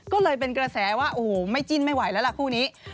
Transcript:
ก็เลยเป็นกระแสว่าโอ้โหไม่จิ้นไม่ไหวแล้วล่ะคู่นี้